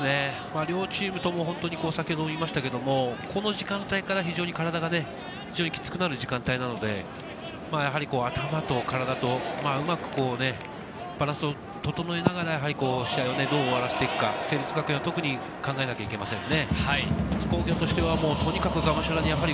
両チームとも、この時間帯から非常に体が非常にキツくなる時間帯なので、頭と体とうまくバランスを整えながら、試合をどう終わらせていくか、成立学園は特に考えなきゃいけませんね。